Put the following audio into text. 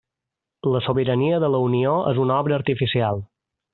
La sobirania de la Unió és una obra artificial.